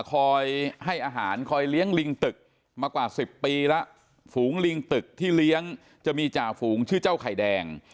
คอยให้อาหารคอยเลี้ยงลิงตึกมากว่าสิบปีแล้วฝูงลิงตึกที่เลี้ยงจะมีจ่าฝูงชื่อเจ้าไข่แดง